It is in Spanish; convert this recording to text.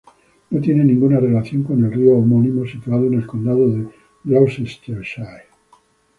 No tiene ninguna relación con el río homónimo situado en el condado de Gloucestershire.